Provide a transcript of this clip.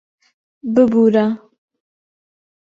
ببوورە...